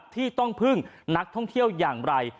ที่ต้องพึ่งนักท่องเที่ยวอย่างไร